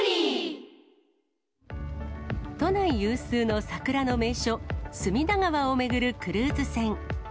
都内有数の桜の名所、隅田川を巡るクルーズ船。